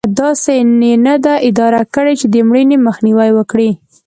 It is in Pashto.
داسې یې نه دي اداره کړې چې د مړینې مخنیوی وکړي.